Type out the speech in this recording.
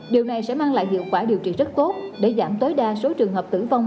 điều này sẽ mang lại hiệu quả điều trị rất tốt để giảm tối đa số trường hợp tử vong